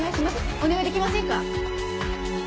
お願いできませんか？